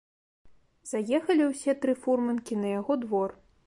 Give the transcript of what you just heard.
Заехалі ўсе тры фурманкі на яго двор.